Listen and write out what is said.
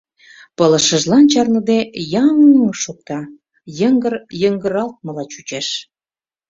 Пылышыжлан чарныде яа-а-а-яҥ-ҥ шокта, йыҥгыр йыҥгыралтмыла чучеш...